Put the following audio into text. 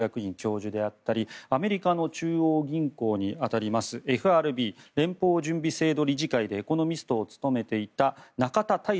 東京大学大学院の教授であったりアメリカの中央銀行に当たりますＦＲＢ・連邦準備制度理事会でエコノミストを務めていた仲田泰祐